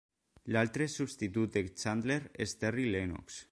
L'altre substitut de Chandler és Terry Lennox.